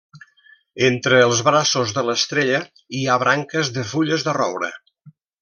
Entre els braços de l'estrella hi ha branques de fulles de roure.